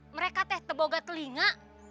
mereka teh teboga telinga